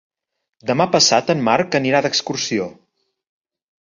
Demà passat en Marc anirà d'excursió.